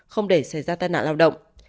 không để xảy ra tai nạn lao động